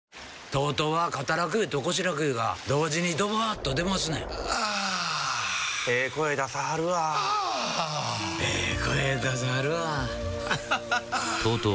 ＴＯＴＯは肩楽湯と腰楽湯が同時にドバーッと出ますねんあええ声出さはるわあええ